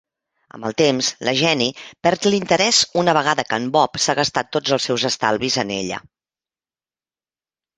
Amb el temps, la Jenny perd l'interès una vegada que en Bob s'ha gastat tots els seus estalvis en ella.